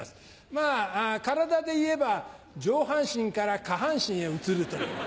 まぁ体でいえば上半身から下半身へ移るという。